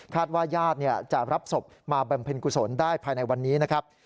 ว่าญาติจะรับศพมาบำเพ็ญกุศลได้ภายในวันนี้นะครับ